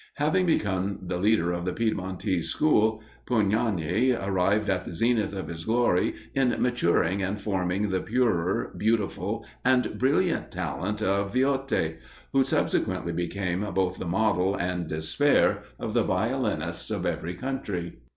Having become the leader of the Piedmontese school, Pugnani arrived at the zenith of his glory in maturing and forming the purer, beautiful, and brilliant talent of Viotti, who subsequently became both the model and despair of the violinists of every country.